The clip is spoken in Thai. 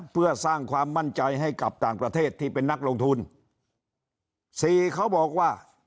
เพื่อสร้างความมั่นใจให้กับต่างประเทศที่เป็นนักลงทุนสี่เขาบอกว่า